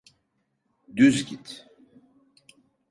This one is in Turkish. Düz git!